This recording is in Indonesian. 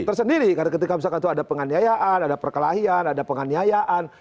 tersendiri ketika misalkan itu ada penganiayaan ada perkelahian ada penganiayaan